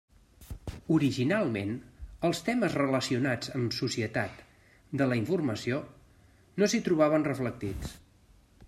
Originalment, els temes relacionats amb Societat de la Informació no s'hi trobaven reflectits.